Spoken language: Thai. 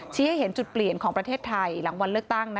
ให้เห็นจุดเปลี่ยนของประเทศไทยหลังวันเลือกตั้ง